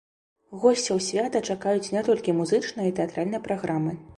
Госцяў свята чакаюць не толькі музычная і тэатральная праграмы.